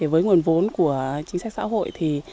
với nguồn vốn của chính sách xã hội thì